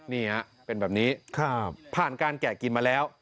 นี่ฮะเป็นแบบนี้ผ่านการแกะกินมาแล้ว